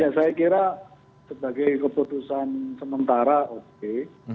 ya saya kira sebagai keputusan sementara oke